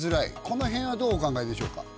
この辺はどうお考えでしょうか？